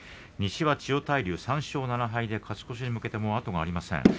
西は千代大龍３勝７敗で勝ち越しに向けて後がありません。